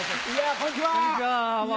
こんにちは。